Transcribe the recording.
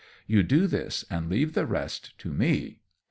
You do this, and leave the rest to me."